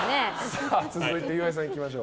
続いて、岩井さんいきましょう。